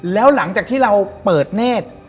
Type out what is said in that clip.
แล้วหลังจากที่เราเปิดเนธ